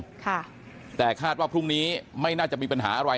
ค่ะแต่คาดว่าพรุ่งนี้ไม่น่าจะมีปัญหาอะไร